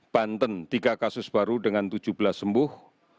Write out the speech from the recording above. banten tiga kasus baru dengan tujuh belas sembuh